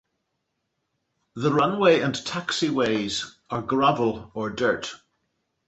The runway and taxiways are gravel or dirt.